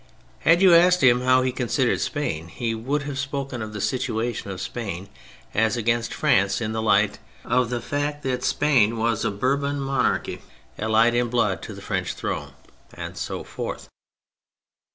Had you asked him how he considered Spain, he would have spoken of the situation of Spain as against France in the light of the fact that Spain was a Bourbon monarchy allied in blood to the French throne. And so forth.